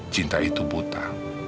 cinta itu buta